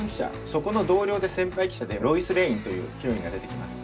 そこの同僚で先輩記者でロイス・レインというヒロインが出てきます。